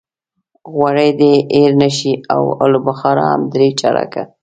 غوړي دې هېر نه شي او الوبخارا هم درې چارکه.